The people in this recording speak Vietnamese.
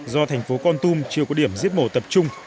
do thành phố con tum chưa có điểm giết mổ tập trung